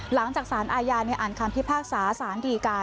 หลังจากสารอาญาอ่านคำพิพากษาสารดีกา